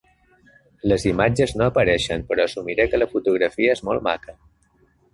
Les imatges no apareixen, però assumiré que la fotografia és molt maca.